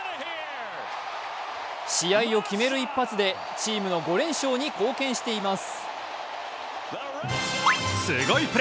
試合を決める一発で、チームの５連勝に貢献しています。